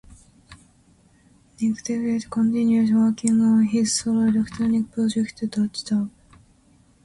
Nick Dewitt continues working on his solo electronic project Dutch Dub.